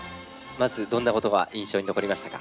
まずどんなことが印象に残りましたか？